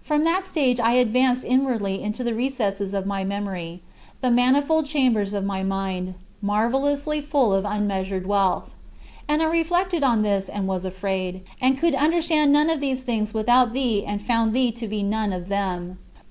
From that stage I advanced inwardly into the recesses of my memory the manifold chambers of my mind, marvelously full of unmeasured wealth. And I reflected on this and was afraid, and could understand none of these things without thee and found thee to be none of them.